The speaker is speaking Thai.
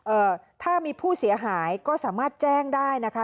เอ่อถ้ามีผู้เสียหายก็สามารถแจ้งได้นะคะ